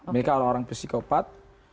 mereka orang orang psikopat